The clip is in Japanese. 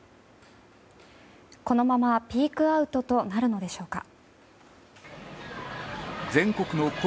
このままピークアウトとなるのでしょうか。